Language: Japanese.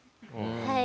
はい。